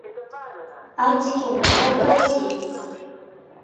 愛知県東海市